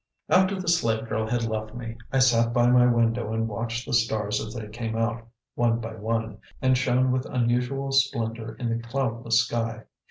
After the slave girl had left me, I sat by my window and watched the stars as they came out, one by one, and shone with unusual splendor in the cloudless sky.